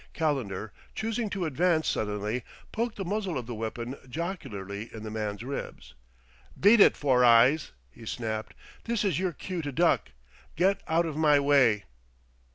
Calendar, choosing to advance suddenly, poked the muzzle of the weapon jocularly in the man's ribs. "Beat it, Four eyes!" he snapped. "This is your cue to duck! Get out of my way."